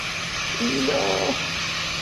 ijo!